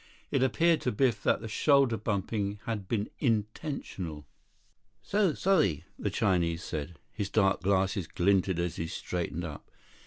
It appeared to Biff that the shoulder bumping had been intentional. 26 "So sorry," the Chinese said. His dark glasses glinted as he straightened up.